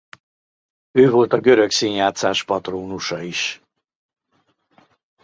Ő volt a görög színjátszás patrónusa is.